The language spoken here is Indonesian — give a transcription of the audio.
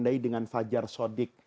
ditandai dengan fajar sodik